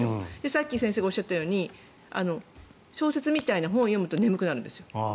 さっき先生がおっしゃったように小説みたいな本を読むと眠くなるんですよ。